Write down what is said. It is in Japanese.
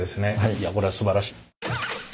いやこれはすばらしい。